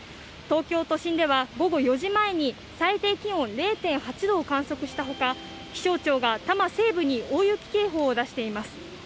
東京都心では午後４時前に最低気温０．８度を観測したほか気象庁が多摩西部に大雪警報を出しています。